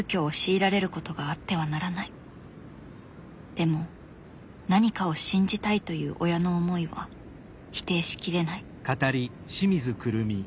でも何かを信じたいという親の思いは否定しきれない。